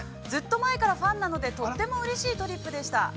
ずっと前からファンなので、とてもうれしいトリップでした。